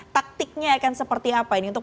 taktiknya akan seperti apa ini untuk